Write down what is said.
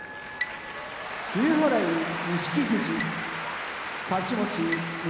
露払い錦富士太刀持ち翠